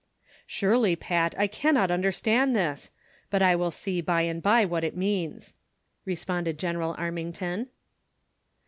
"Surely, Pat, I cannot understand this; but I will see by and by what it means," responded General Armington.